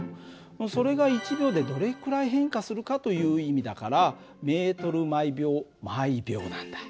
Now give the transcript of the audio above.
それが１秒でどれくらい変化するかという意味だからｍ／ｓなんだ。